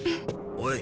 おい。